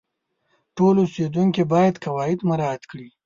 ټول اوسیدونکي باید قواعد مراعات کړي.